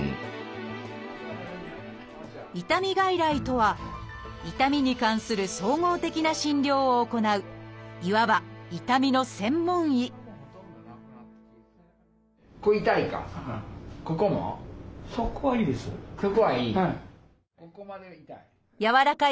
「痛み外来」とは痛みに関する総合的な診療を行ういわば痛みの専門医柔らかい